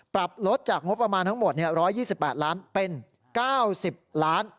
ปรับลดจากงบประมาณทั้งหมด๑๒๘ล้านเป็น๙๐ล้าน